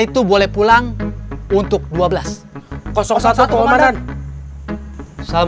itu boleh pulang untuk dua belas satu ramadan assalamualaikum waalaikumsalam